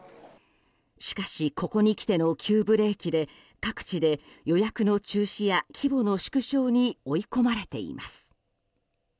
しかし、ここにきての急ブレーキで各地で予約の中止や規模の縮小に追い込まれています。